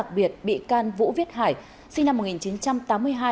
quyết định truy nã đặc biệt bị can vũ viết hải sinh năm một nghìn chín trăm tám mươi hai